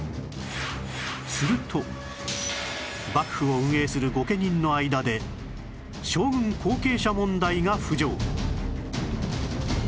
すると幕府を運営する御家人の間で将軍後継者問題が浮上